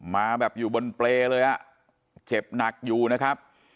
มาแบบอยู่บนเปรย์เลยอ่ะเจ็บหนักอยู่นะครับ